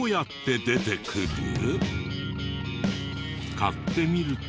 買ってみると。